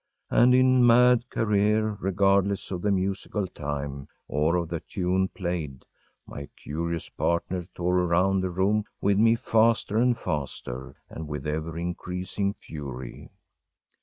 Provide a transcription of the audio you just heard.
And in mad career, regardless of the musical time or of the tune played, my curious partner tore around the room with me faster and faster, and with ever increasing fury.